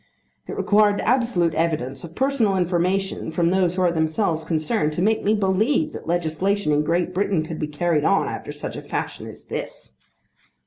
It required the absolute evidence of personal information from those who are themselves concerned to make me believe that legislation in Great Britain could be carried on after such a fashion as this!